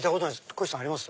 こひさんあります？